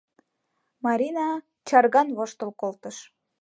— Марина чарган воштыл колтыш.